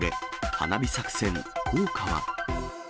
花火作戦、効果は？